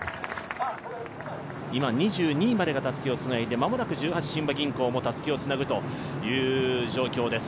今、２２位までがたすきをつないで、間もなく十八親和銀行もたすきをつなぐという状況です。